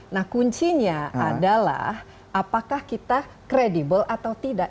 nah kuncinya adalah apakah kita kredibel atau tidak